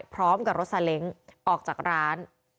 พร้อมกับรถซาเล้งออกจากร้าน